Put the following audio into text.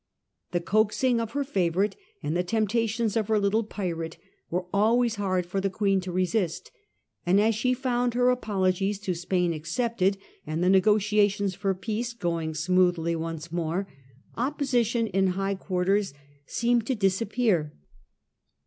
The coaxing of her favourite and the temptations of her little pirate were always hard for the Queen to resist ; and as she found her apologies to Spain accepted and the negotiations for peace going smoothly once more, opposition in high quarters seemed 134 Sm FRANCIS DRAKE chap. to disappear.